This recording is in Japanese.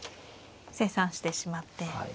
清算してしまって。